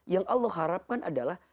yang allah harapkan adalah